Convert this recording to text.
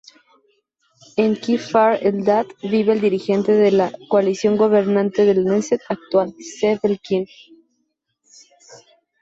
En Kfar-Eldad vive el dirigente de la coalición gobernante del Knesset actual, Zeev Elkin.